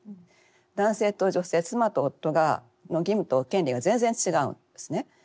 男性と女性妻と夫の義務と権利が全然違うんですね。